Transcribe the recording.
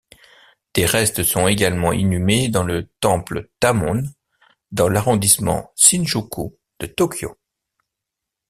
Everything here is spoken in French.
Des restes sont également inhumés dans le temple Tamon dans l'arrondissement Shinjuku de Tokyo.